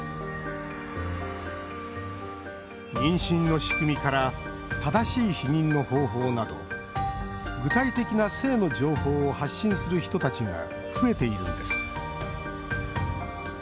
妊娠の仕組みから正しい避妊の方法など具体的な性の情報を発信する人たちが増えているんです。